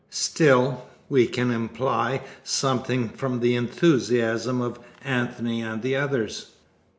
Still, we can imply something from the enthusiasm of Antony and the others.